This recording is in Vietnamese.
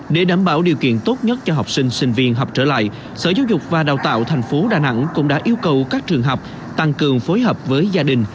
để đảm bảo điều kiện tốt nhất cho học sinh sinh viên học trở lại sở giáo dục và đào tạo tp đà nẵng cũng đã yêu cầu các trường học tăng cường phối hợp với gia đình